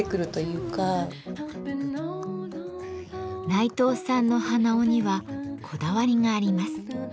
内藤さんの鼻緒にはこだわりがあります。